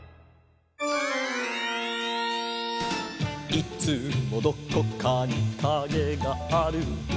「いつもどこかにカゲがある」